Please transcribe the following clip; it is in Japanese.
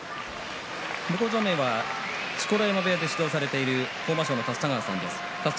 向正面は錣山部屋で指導されている豊真将の立田川さんです。